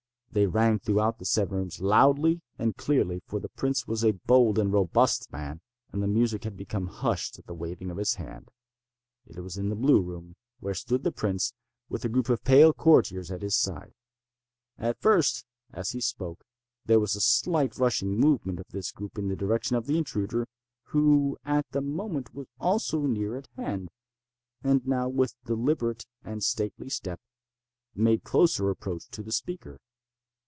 They rang throughout the seven rooms loudly and clearly—for the prince was a bold and robust man, and the music had become hushed at the waving of his hand. It was in the blue room where stood the prince, with a group of pale courtiers by his side. At first, as he spoke, there was a slight rushing movement of this group in the direction of the intruder, who at the moment was also near at hand, and now, with deliberate and stately step, made closer approach to the speaker.